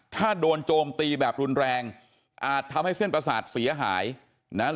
ถ้าโดนโจมตีแบบรุนแรงอาจทำให้เส้นประสาทเสียหายนะ